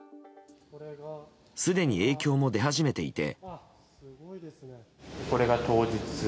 すでに影響も出始めていて。